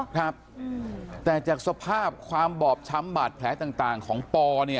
ครับแต่จากสภาพความบอบช้ำบาดแผลต่างของปอเนี่ย